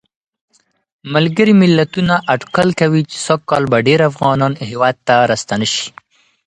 م.م اټکل کوي چې سږ کال به ډېر افغانان هېواد ته راستانه شي.